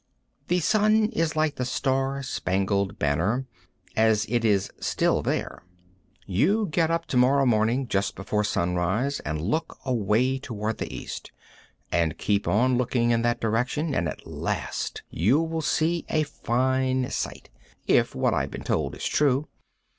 The sun is like the star spangled banner as it is "still there." You get up to morrow morning just before sunrise and look away toward the east, and keep on looking in that direction, and at last you will see a fine sight, if what I have been told is true.